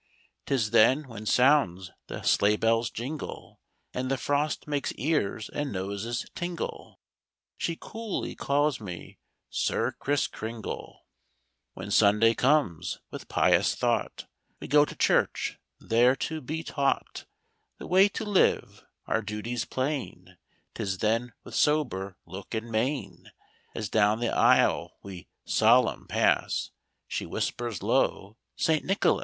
'Tis then when sounds the sleigh bell's jingle And the frost makes ears and noses tingle, She coolly calls me 'Sir Kriss Kringle.'" Copyrighted, 18U7 c^^aHEN Sunday comes, with pious thought We go to church, there to be taught The way to live, our duties plain. Tis then with sober look, and mein, As down the aisle we, solemn, pass, She whispers low, 'St. Nicholas.